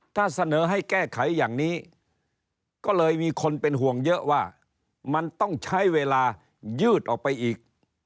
ถ้าเสนอให้แก้ไขอย่างนี้ก็เลยมีคนเป็นห่วงเยอะว่ามันต้องใช้เวลายืดออกไปอีก